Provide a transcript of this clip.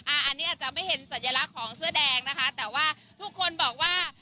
อันนี้อาจจะไม่เห็นสัญลักษณ์ของเสื้อแดงนะคะแต่ว่าทุกคนบอกว่า